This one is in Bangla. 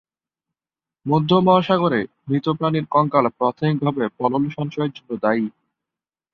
মধ্য মহাসাগরে, মৃত প্রাণীর কঙ্কাল প্রাথমিকভাবে পলল সঞ্চয়ের জন্য দায়ী।